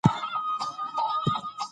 ماشوم باید د خپل ورځني مهالوېش سره عادت شي.